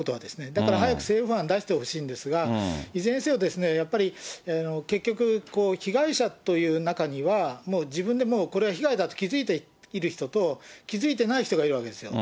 だから早く政府案を出してほしいんですが、いずれにせよ、やっぱり結局、被害者という中には、もう自分でもう、これは被害だと気付いている人と、気付いてない人がいるわけですよ。